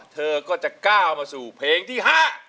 เธอก็จะก้าวมาสู่เพลงที่๕